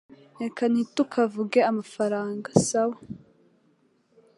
Reka ntitukavuge amafaranga, sawa?